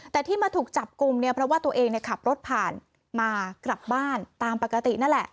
แต่ที่มาถูกจับกลุ่มเนี่ยเพราะว่าตัวเองขับรถผ่านมากลับบ้านตามปกตินั่นแหละ